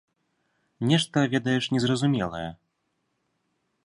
Нешта, ведаеш, незразумелае.